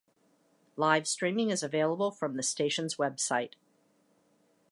Live streaming is available from the station's website.